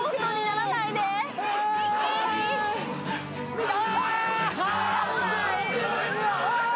見た！